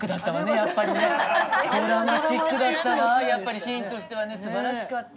いやあれはシーンとしてはすばらしかった。